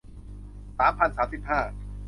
สามพันสามสิบห้า